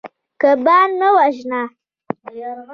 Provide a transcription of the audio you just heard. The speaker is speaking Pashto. کبان مه وژنه.